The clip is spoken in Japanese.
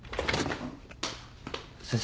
先生